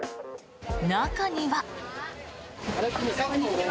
中には。